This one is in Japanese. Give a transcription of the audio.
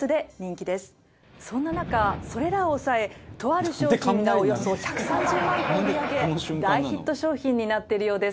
そんな中それらを抑えとある商品がおよそ１３０万個売り上げ大ヒット商品になってるようです。